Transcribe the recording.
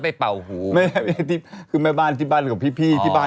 พี่พูดพี่คงไม่มีคำ